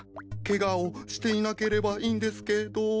ケガをしていなければいいんですけど。